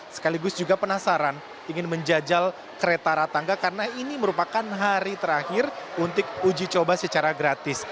sekaligus juga penasaran ingin menjajal kereta ratangga karena ini merupakan hari terakhir untuk uji coba secara gratis